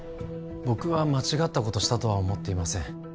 僕は間違ったことしたとは思っていません